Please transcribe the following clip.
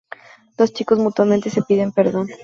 Los chicos mutuamente se piden perdón.